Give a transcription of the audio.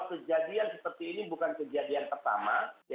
kejadian seperti ini bukan kejadian pertama